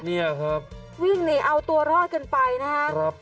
เนี่ยครับวิ่งหนีเอาตัวรอดกันไปนะครับ